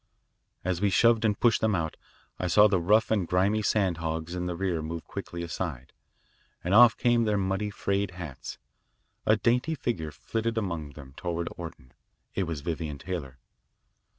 As we shoved and pushed them out, I saw the rough and grimy sand hogs in the rear move quickly aside, and off came their muddy, frayed hats. A dainty figure flitted among them toward Orton. It was Vivian Taylor.